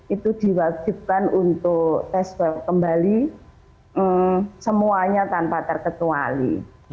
itu diwaksudkan untuk tes kembali semuanya tanpa terketuali